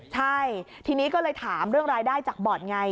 ใช่ทีนี้ก็เลยถามเรื่องรายได้จากบ่อนไง